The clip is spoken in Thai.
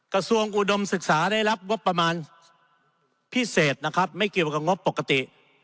กระทรวงอุดมศึกษาได้รับงบประมาณพิเศษนะครับไม่เกี่ยวกับงบปกติ